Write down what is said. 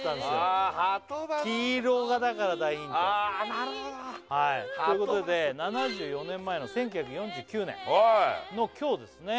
なるほどなあはとバスということで７４年前の１９４９年の今日ですね